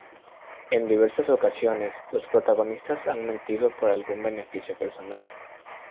En diversas ocasiones los protagonistas han mentido por algún beneficio personal.